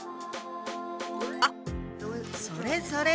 あっそれそれ！